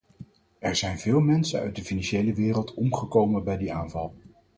Er zijn veel mensen uit de financiële wereld omgekomen bij die aanval.